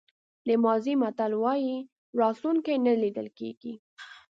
د مازی متل وایي راتلونکی نه لیدل کېږي.